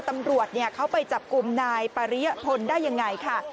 ตำรวจเขาไปจับกลุ่มนายปริยพลได้ยังไงค่ะ